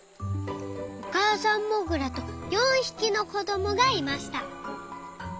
おかあさんモグラと４ひきのこどもがいました。